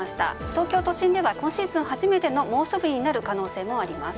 東京都心では今シーズン初めての猛暑日になる可能性もあります。